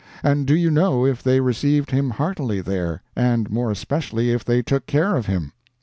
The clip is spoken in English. And do you know if they received him heartily there, and more especially if they took care of him?